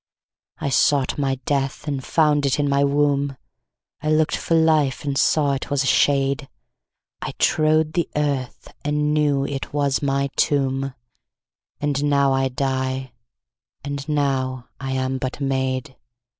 13I sought my death and found it in my womb,14I lookt for life and saw it was a shade,15I trode the earth and knew it was my tomb,16And now I die, and now I am but made.